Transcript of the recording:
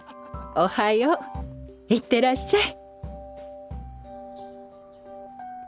おはよう行ってらっしゃい。